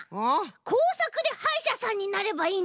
こうさくではいしゃさんになればいいんじゃない？